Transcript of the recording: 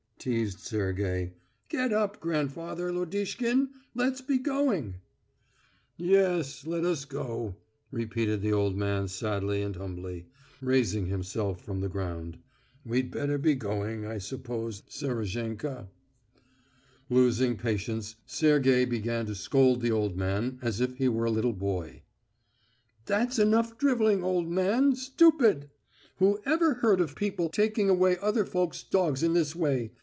teased Sergey. "Get up, grandfather Lodishkin; let's be going!" "Yes, let us go!" repeated the old man sadly and humbly, raising himself from the ground. "We'd better be going, I suppose, Serozhenka." Losing patience, Sergey began to scold the old man as if he were a little boy. "That's enough drivelling, old man, stupid! Who ever heard of people taking away other folks' dogs in this way?